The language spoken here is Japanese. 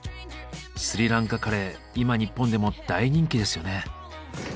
スリランカカレー今日本でも大人気ですよね。